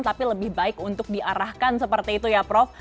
tapi lebih baik untuk diarahkan seperti itu ya prof